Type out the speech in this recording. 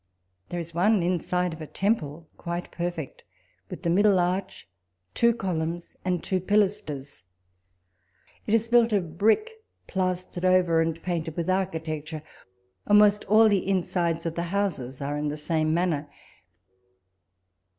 There is one inside of a temple quite perfect, with the middle arch, two columns, and two pilasters. It is built of brick plastered over, and painted with architecture : almost all the insides of the houses are in the same manner ; and.